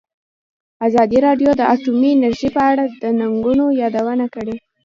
ازادي راډیو د اټومي انرژي په اړه د ننګونو یادونه کړې.